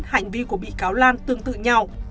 hành vi của bị cáo lan tương tự nhau